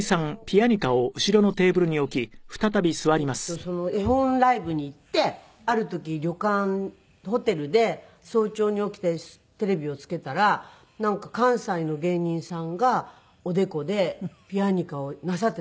私絵本ライブに行ってある時旅館ホテルで早朝に起きてテレビをつけたらなんか関西の芸人さんがおでこでピアニカをなさっていたおじ様で。